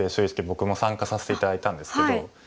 僕も参加させて頂いたんですけど。